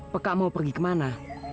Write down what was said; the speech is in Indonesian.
pekak mau pergi kemana